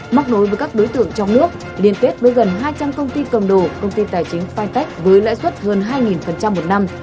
móc nối với các đối tượng trong nước liên kết với gần hai trăm linh công ty cầm đồ công ty tài chính fintech với lãi suất hơn hai một năm